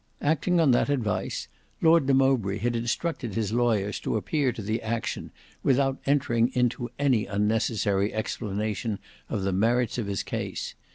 Acting on that advice Lord de Mowbray had instructed his lawyers to appear to the action without entering into any unnecessary explanation of the merits of his case.